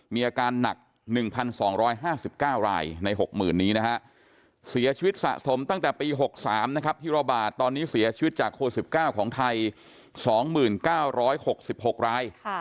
มีอาการหนัก๑๒๕๙รายใน๖๐๐๐นี้นะฮะเสียชีวิตสะสมตั้งแต่ปี๖๓นะครับที่ระบาดตอนนี้เสียชีวิตจากโควิด๑๙ของไทย๒๙๖๖ราย